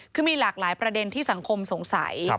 คือมีหลากหลายประเด็นที่สังคมสงสัย